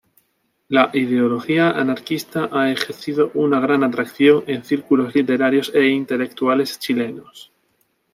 La ideología anarquista ha ejercido una gran atracción en círculos literarios e intelectuales chilenos.